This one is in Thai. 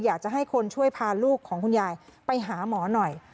อยากจะให้คนช่วยพาลูกของคุณยายไปหาหมอหน่อย